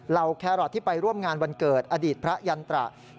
แครอทที่ไปร่วมงานวันเกิดอดีตพระยันตระ